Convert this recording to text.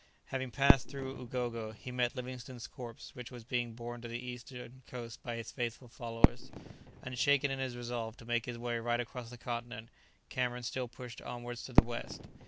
Having passed through Ugogo, he met Livingstone's corpse, which was being borne to the eastern coast by his faithful followers. Unshaken in his resolve to make his way right across the continent, Cameron still pushed onwards to the west.